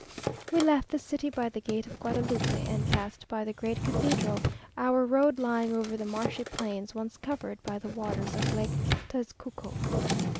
We left the city by the gate of Guadalupe, and passed by the great cathedral, our road lying over the marshy plains once covered by the waters of Lake Tezcuco.